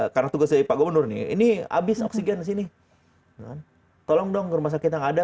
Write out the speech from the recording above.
karena tugas dari pak gubernur ini habis oksigen di sini tolong dong ke rumah sakit yang ada